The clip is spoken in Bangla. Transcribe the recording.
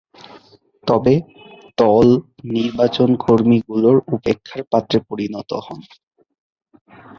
তবে, দল নির্বাচকমণ্ডলীর উপেক্ষার পাত্রে পরিণত হন।